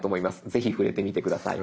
ぜひ触れてみて下さい。